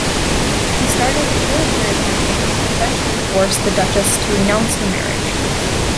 He started a military campaign which eventually forced the duchess to renounce her marriage.